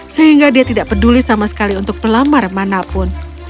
sehingga dia tidak peduli sama sekali untuk pelamar manapun